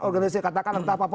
organisasi katakan entah apa apa